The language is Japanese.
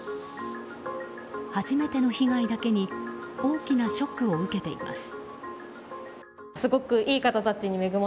初めての被害だけに大きなショックを受けています。